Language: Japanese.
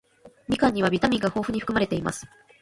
みかんにはビタミンが豊富に含まれています。